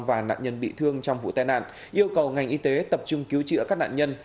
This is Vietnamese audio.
và nạn nhân bị thương trong vụ tai nạn yêu cầu ngành y tế tập trung cứu chữa các nạn nhân